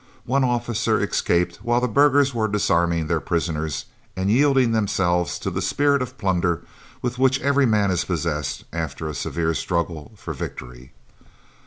One officer escaped while the burghers were disarming their prisoners and yielding themselves to the spirit of plunder with which every man is possessed after a severe struggle for victory.